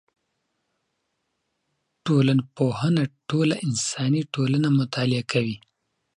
ټولنپوهنه ټوله انساني ټولنه مطالعه کوي.